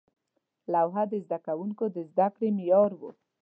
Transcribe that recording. لوحه د زده کوونکو د زده کړې معیار و.